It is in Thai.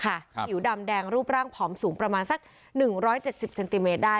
ครับผิวดำแดงรูปร่างผอมสูงประมาณสักหนึ่งร้อยเจ็ดสิบเซนติเมตรได้